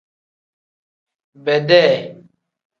Bedee.